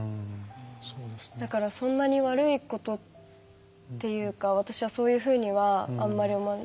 だからそんなに悪いことというか私はそういうふうにはあまり思わない。